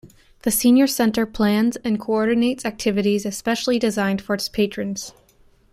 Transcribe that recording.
The Senior Center plans and coordinates activities especially designed for its patrons.